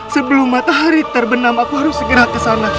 sebelum matahari terbenam aku harus segera ke sana